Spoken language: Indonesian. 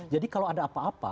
jadi kalau ada apa apa